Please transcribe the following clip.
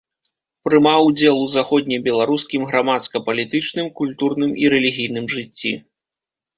Прымаў удзел у заходнебеларускім грамадска-палітычным, культурным і рэлігійным жыцці.